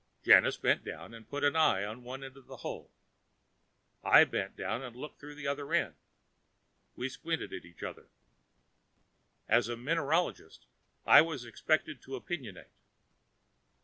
Janus bent down and put an eye to one end of the hole. I bent down and looked through the other end. We squinted at each other. As mineralogist, I was expected to opinionate.